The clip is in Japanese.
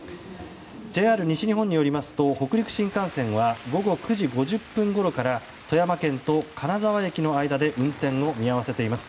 ＪＲ西日本によりますと北陸新幹線は午後９時５０分ごろから富山県と金沢駅の間で運転を見合わせています。